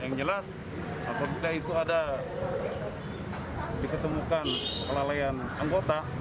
yang jelas apabila itu ada diketemukan kelalaian anggota